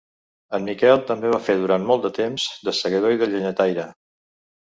En Miquel també va fer durant molt de temps de segador i de llenyataire.